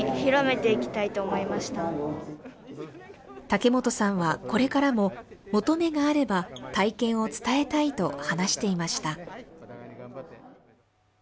竹本さんは、これからも求めがあれば体験を伝えたいと話していました。